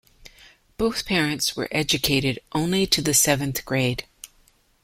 Both parents were educated only to the seventh grade.